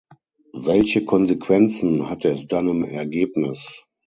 Welche Konsequenzen hatte es dann im Ergebnis?